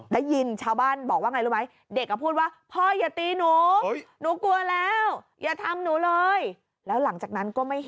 ได้ยินชาวบ้านบอกว่าไงรู้ไหม